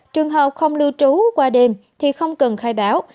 trường hợp không lưu trú qua đêm thì không cần khai báo